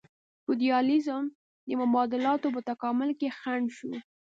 فیوډالیزم د مبادلاتو په تکامل کې خنډ شو.